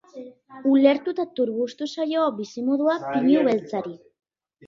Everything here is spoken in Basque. Uhertu eta turbustu zaio bizimodua pinu beltzari.